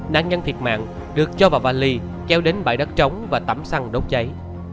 nạn nhân thiệt mạng được cho vào vali kéo đến bãi đất trống và tắm xăng đốt cháy